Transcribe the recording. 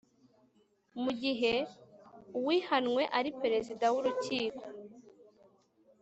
mu gihe uwihanwe ari perezida w urukiko